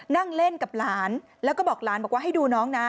นั่งเล่นกับหลานแล้วก็บอกหลานบอกว่าให้ดูน้องนะ